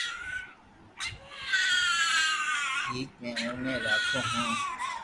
ڀآٺڪ مي اوني راکو ھون